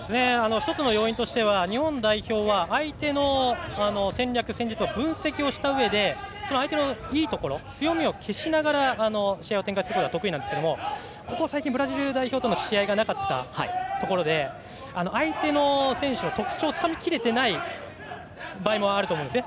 １つの要因としては日本代表は相手の戦略、戦術を分析をしたうえで相手のいいところ強みを消しながら展開するのが得意ですがここ最近、ブラジル代表との試合がなかったところで相手の選手の特徴をつかみきれていない場合もあると思うんですね。